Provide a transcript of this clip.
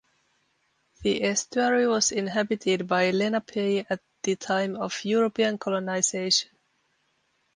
The estuary was inhabited by Lenape at the time of European colonization.